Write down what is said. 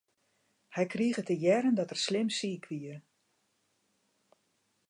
Hy krige te hearren dat er slim siik wie.